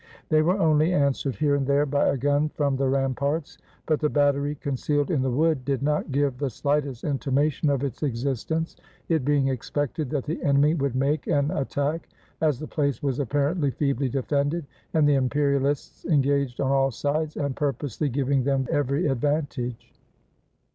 They were only answered here and there by a gun 348 AFTER THE BATTLE OF SZOLNOK from the ramparts; but the battery concealed in the wood did not give the slightest intimation of its exist ence, it being expected that the enemy would make an attack, as the place was apparently feebly defended, and the imperialists engaged on all sides, and, purposely, giving them every advantage.